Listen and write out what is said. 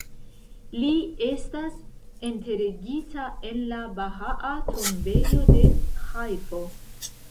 Li estas enterigita en la Bahaa Tombejo de Ĥajfo.